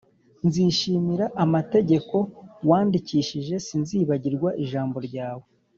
. Nzishimira amategeko wandikishije, sinzibagirwa ijambo ryawe